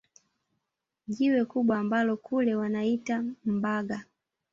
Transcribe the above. Jiwe kubwa ambalo kule wanaita Mbaga